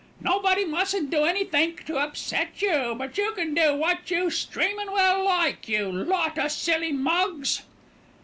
Nobody mustn't do anythink to upset you; but you can do what you streamin' well like, you lot o' silly mugs!